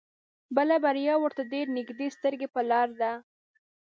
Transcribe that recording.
بله بريا ورته ډېر نيږدې سترګې په لار ده.